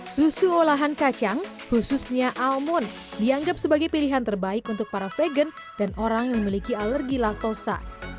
susu olahan kacang khususnya almond dianggap sebagai pilihan terbaik untuk para vegan dan orang yang memiliki alergi laktosa